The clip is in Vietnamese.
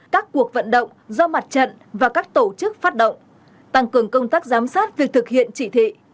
các cuộc vận động do mặt trận và các tổ chức phát động tăng cường công tác giám sát việc thực hiện chỉ thị